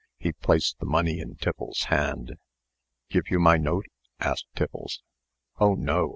He placed the money in Tiffles's hand. "Give you my note?" asked Tiffles. "Oh, no!"